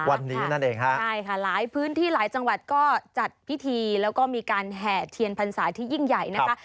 วันนี้นั่นเองค่ะใช่ค่ะหลายพื้นที่หลายจังหวัดก็จัดพิธีแล้วก็มีการแห่เทียนพรรษาที่ยิ่งใหญ่นะคะ